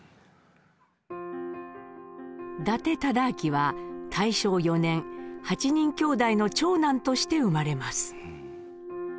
伊達忠亮は大正４年８人きょうだいの長男として生まれます。